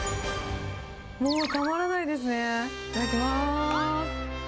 もうたまらないですね、いただきます。